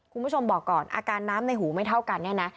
คุณผู้ชมบอกก่อนอาการน้ำในหูไม่เท่ากันเนี่ยนะ